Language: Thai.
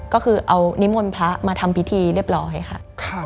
ก็คือเอานิมนต์พระมาทำพิธีเรียบร้อยค่ะ